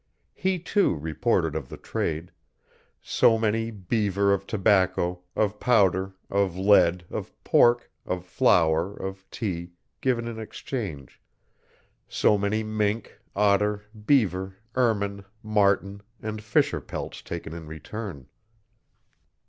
He too reported of the trade, so many "beaver" of tobacco, of powder, of lead, of pork, of flour, of tea, given in exchange; so many mink, otter, beaver, ermine, marten, and fisher pelts taken in return.